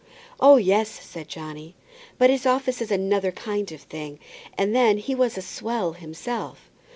"Oh, yes," said Johnny; "but his office is another kind of thing, and then he was a swell himself."